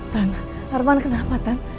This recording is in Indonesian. tan arman kenapa tan